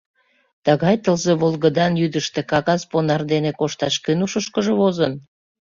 — Тыгай тылзе волгыдан йӱдыштӧ кагаз понар дене кошташ кӧн ушышкыжо возын?»